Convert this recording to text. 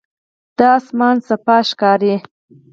دا آسمان صاف ښکاري.